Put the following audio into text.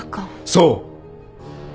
そう！